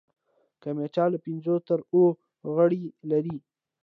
کمیټه له پنځو تر اوو غړي لري.